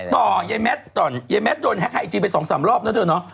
ต่อเยมแมทต่อเยมแมทโดนแฮกไอจีไป๒๓รอบนะเถอะเนาะ